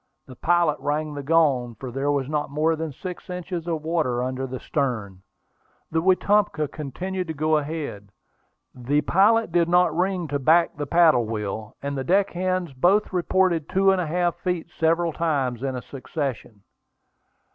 The pilot rang the gong, for there was not more than six inches of water under the stern. The Wetumpka continued to go ahead. The pilot did not ring to back the paddle wheel, and the deck hands both reported two feet and a half, several times in succession.